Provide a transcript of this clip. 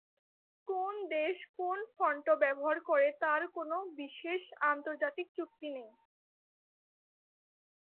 কোন দেশ কোন ফন্ট ব্যবহার করে তার কোন বিশেষ আন্তর্জাতিক চুক্তি নেই।